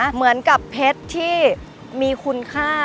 เหมือนกับเพชรที่มีคุณค่า